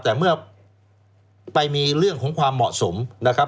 แต่เมื่อไปมีเรื่องของความเหมาะสมนะครับ